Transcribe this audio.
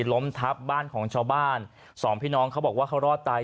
ล้มทับบ้านของชาวบ้านสองพี่น้องเขาบอกว่าเขารอดตาย